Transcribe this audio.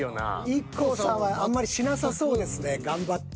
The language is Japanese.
ＩＫＫＯさんはあんまりしなさそうですね頑張って。